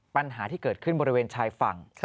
ปัญหาที่เกิดขึ้นบริเวณชายฝั่ง